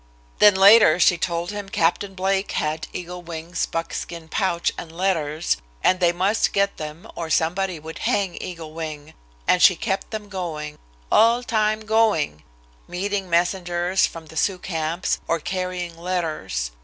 Then later she told him Captain Blake had Eagle Wing's buckskin pouch and letters, and they must get them or somebody would hang Eagle Wing, and she kept them going, "all time going," meeting messengers from the Sioux camps, or carrying letters.